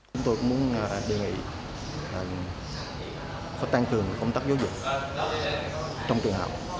chúng tôi cũng muốn đề nghị tăng cường công tác giáo dục trong trường học